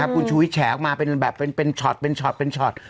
คุณชุวิตแ่ออกมาเป็นแบบโชต